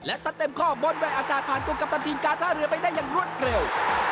และสเต็มข้อบนใบอากาศผ่านตัวกัปตันทีมการท่าเรือไปได้อย่างรวดเร็ว